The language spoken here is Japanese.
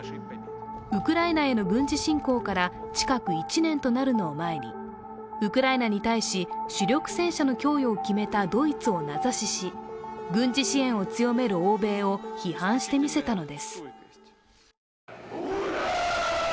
ウクライナへの軍事侵攻から近く１年となるのを前にウクライナに対し、主力戦車の供与を決めたドイツを名指しし、軍事支援を強める欧米を批判して見せたのです。